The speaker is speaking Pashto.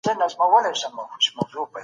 ماشوم به تجربه ترلاسه کړې وي.